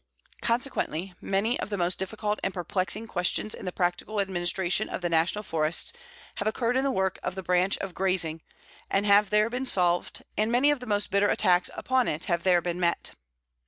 Consequently, many of the most difficult and perplexing questions in the practical administration of the National Forests have occurred in the work of the Branch of Grazing, and have there been solved, and many of the most bitter attacks upon it have there been met.